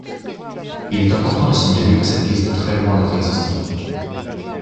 Il est important de signaler que cette liste est très loin d'être exhaustive.